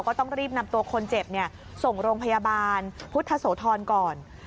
ก็ต้องรีบนำตัวคนเจ็บส่งโรงพยาบาลพุทธโสธรก่อน